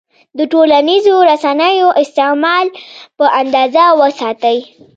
د ټولنیزو رسنیو استعمال په اندازه وساتئ.